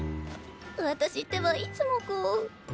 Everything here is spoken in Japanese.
私ってばいつもこう。